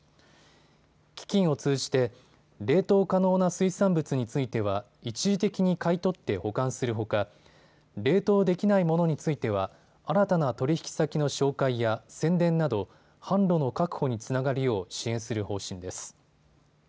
基金を通じて冷凍可能な水産物については一時的に買い取って保管するほか冷凍できないものについては新たな取り引き先の紹介や宣伝など、販路の確保につながるよう支援する方針です。